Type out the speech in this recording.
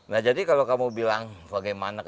nah jadi kalau kamu bilang bagaimana